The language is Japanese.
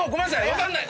分かんない。